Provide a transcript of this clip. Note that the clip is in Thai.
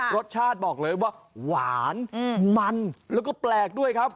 รสชาติบอกเลยว่าหวานมันแล้วก็แปลกด้วยครับ